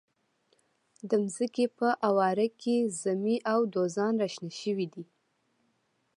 د منځکي په اواړه کې زمۍ او دوزان را شنه شوي دي.